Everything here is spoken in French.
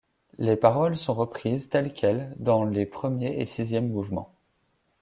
Les paroles sont reprises telles quelles dans les premier et sixième mouvements.